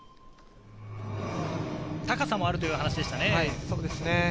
高さもあるというお話でしたね。